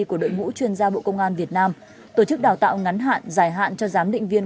của đội ngũ chuyên gia bộ công an việt nam tổ chức đào tạo ngắn hạn dài hạn cho giám định viên